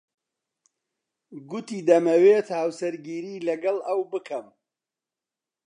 گوتی دەمەوێت هاوسەرگیری لەگەڵ ئەو بکەم.